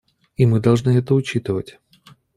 И мы должны это учитывать.